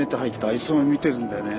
いつも見てるんだよね